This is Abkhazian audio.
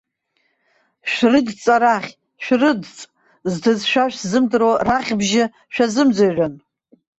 Шәрыдҵ арахь, шәрыдҵ, зҭыӡшәа шәзымдыруа раӷьбжьы шәазымӡырҩын.